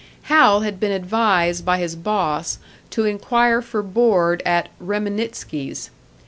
Hal had been advised by his boss to inquire for board at "Reminitsky's."